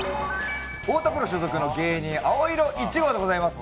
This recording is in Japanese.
太田プロ所属の芸人、青色１号でございます。